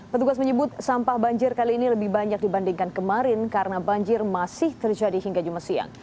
petugas menyebut sampah banjir kali ini lebih banyak dibandingkan kemarin karena banjir masih terjadi hingga jumat siang